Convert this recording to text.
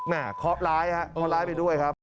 น่ะร้ายนะครับร้ายไปด้วยครับ